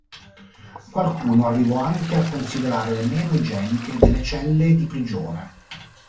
Qualcuno arrivò anche a considerarle meno igieniche delle celle di prigione.